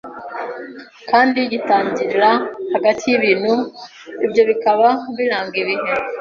kandi gitangirira hagati yibintu ibyo bikaba biranga ibihe